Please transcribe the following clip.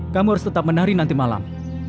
kamu harus tetap menari nanti malam